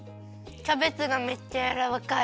キャベツがめっちゃやらわかい。